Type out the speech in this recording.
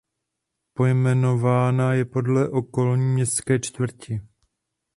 Pojmenována je podle okolní městské čtvrti.